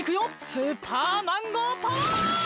スーパーマンゴーパワー！